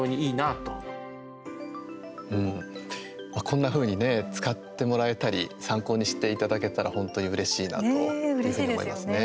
こんなふうにね使ってもらえたり参考にしていただけたら本当にうれしいなと思いますね。